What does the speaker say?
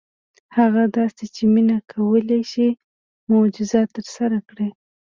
هغه داسې چې مينه کولی شي معجزه ترسره کړي.